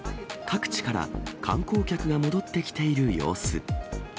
各地から観光客が戻ってきている様子。